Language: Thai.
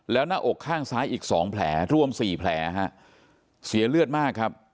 แล้วหน้าอกข้างซ้ายอีกสองแผลรวมสี่แผลฮะเสียเลือดมากครับ